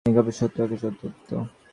নিরপেক্ষ সত্য কিন্তু এক ও অদ্বিতীয়।